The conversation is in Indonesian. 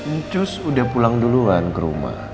icus udah pulang duluan ke rumah